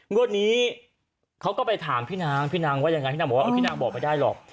งวดนี้เขาก็ไปถามพี่นางพี่นางว่ายังไงพี่นางบอกว่าพี่นางบอกไม่ได้หรอก